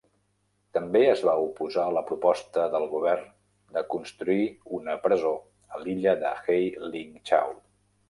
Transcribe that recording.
També es va oposar a la proposta del govern de construir una presó a la illa de Hei Ling Chau.